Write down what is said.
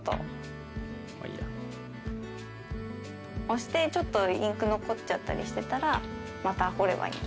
押してちょっとインク残っちゃったりしてたらまた彫ればいいので。